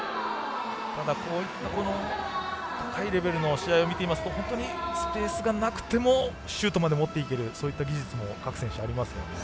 こういったハイレベルの試合を見ていますと本当にスペースがなくてもシュートまで持っていけるというそういった技術も各選手ありますね。